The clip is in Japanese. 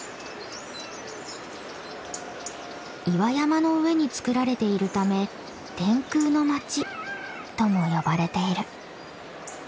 岩山の上につくられているため天空の町とも呼ばれている。